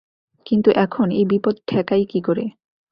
কিন্তু এখন এ বিপদ ঠেকাই কী করে।